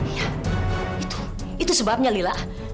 iya itu itu sebabnya liel